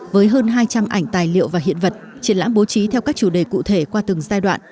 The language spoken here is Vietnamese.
với hơn hai trăm linh ảnh tài liệu và hiện vật triển lãm bố trí theo các chủ đề cụ thể qua từng giai đoạn